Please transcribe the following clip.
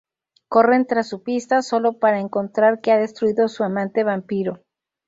Corren tras su pista, solo para encontrar que ha destruido su amante vampiro.